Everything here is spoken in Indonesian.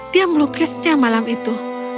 dia melukisnya malam itu